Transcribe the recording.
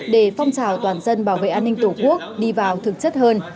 để phong trào toàn dân bảo vệ an ninh tổ quốc đi vào thực chất hơn